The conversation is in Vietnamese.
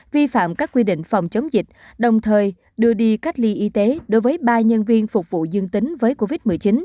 vi phạm các quy định phòng chống dịch đồng thời đưa đi cách ly y tế đối với ba nhân viên phục vụ dương tính với covid một mươi chín